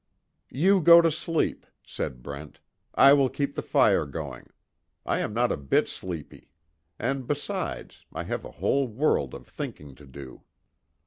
"You go to sleep," said Brent. "I will keep the fire going. I am not a bit sleepy. And besides, I have a whole world of thinking to do."